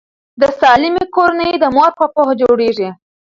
د سالمې کورنۍ د مور په پوهه جوړیږي.